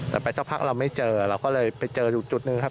แต่ไปสักพักเราไม่เจอเราก็เลยไปเจออยู่จุดหนึ่งครับ